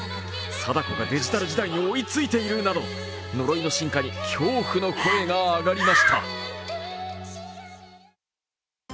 貞子がデジタル時代に追いついているなど、呪いの進化に恐怖の声が上がりました。